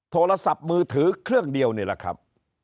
โทรศัพท์มือถือเครื่องเดียวนี่แหละครับ